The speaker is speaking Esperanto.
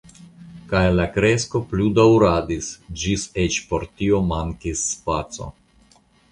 Kaj la kresko plu daŭradis ĝis eĉ por tio mankis spaco.